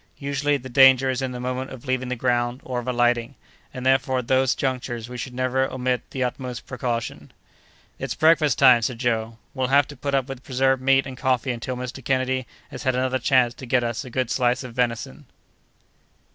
Usually, the danger is in the moment of leaving the ground, or of alighting, and therefore at those junctures we should never omit the utmost precaution." "It's breakfast time," said Joe; "we'll have to put up with preserved meat and coffee until Mr. Kennedy has had another chance to get us a good slice of venison."